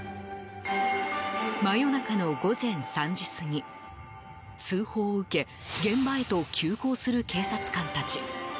真夜中の午前３時過ぎ通報を受け現場へと急行する警察官たち。